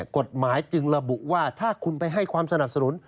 กฎหมายจึงระบุว่าถ้าคุณไปให้ความสนับสนุน